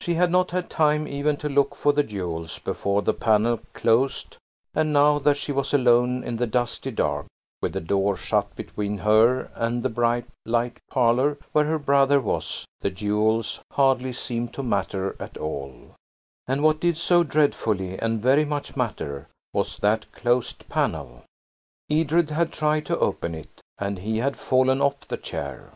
She had not had time even to look for the jewels before the panel closed, and now that she was alone in the dusty dark, with the door shut between her and the bright, light parlour where her brother was, the jewels hardly seemed to matter at all, and what did so dreadfully and very much matter was that closed panel. Edred had tried to open it, and he had fallen off the chair.